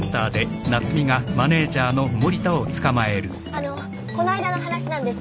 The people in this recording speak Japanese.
あのこの間の話なんですけど。